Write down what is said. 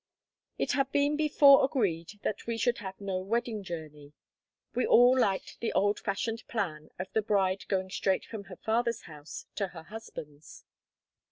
It had been before agreed that we should have no wedding journey. We all liked the old fashioned plan of the bride going straight from her father's house to her husband's.